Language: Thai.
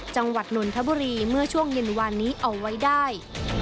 จังหวัดนนทบุรีเมื่อช่วงเย็นวานนี้เอาไว้ได้